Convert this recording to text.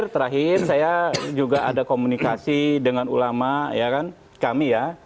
terakhir saya juga ada komunikasi dengan ulama ya kan kami ya